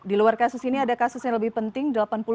di luar kasus ini ada kasus yang lebih penting